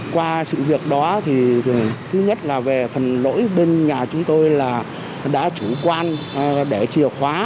qua sự việc đó thì thứ nhất là về phần lỗi bên nhà chúng tôi là đã chủ quan để chìa khóa